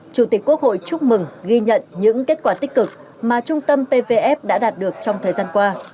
chủ tịch quốc hội chúc mừng ghi nhận những kết quả tích cực mà trung tâm pvf đã đạt được trong thời gian qua